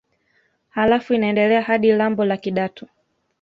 Halafu inaendelea hadi lambo la Kidatu